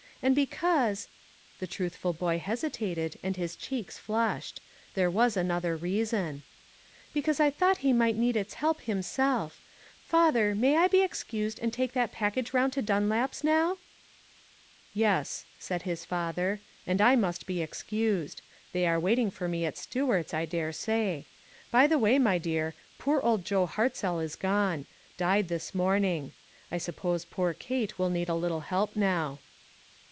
And because" — the truthful boy hesitated, and his cheeks flushed ; there was another reason —" be cause I thought he might need its help OVERDOING. 449 himself. Father, may I be excused and take that package round to Dimlap's now?" " Yes," said his father, " and I must be excused. They are waiting for me at Stu art's, I dare say. By the way, my dear, poor old Joe Hartzell is gone. Died this morning. I suppose poor Kate will need a little help now."